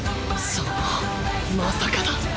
そのまさかだ。